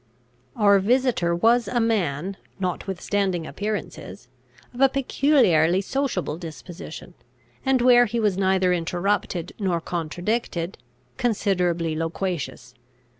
Our visitor was a man, notwithstanding appearances, of a peculiarly sociable disposition, and, where he was neither interrupted nor contradicted, considerably loquacious.